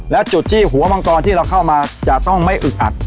และจุดที่หัวมังกรที่เราเข้ามาจะต้องไม่อึกอัด